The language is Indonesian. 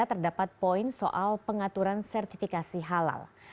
terdapat poin soal pengaturan sertifikasi halal